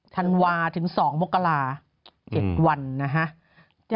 ธันวาถึง๒มกรา๗วันนะฮะ